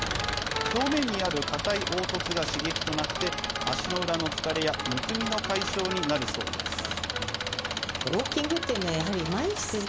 表面にある硬い凹凸が刺激となって、足の裏の疲れや、むくみの解消になるそうです。